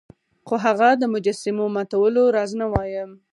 خو هغه د مجسمو ماتولو راز نه وایه.